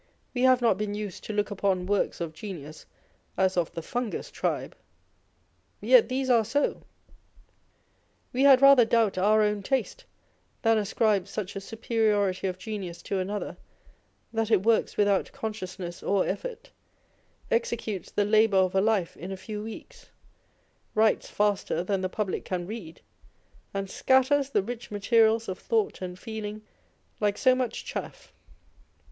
We have not been used to look upon works of genius as of the fungus tribe. Yet these are so. We had rather doubt our own taste than ascribe such a superiority of genius to another that it works without consciousness or effort, executes the labour of a life in a few weeks, writes faster than the public can read, and scatters the rich materials of thought and feeling like so much chaff.